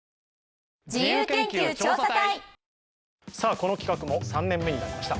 この企画も３年目になりました。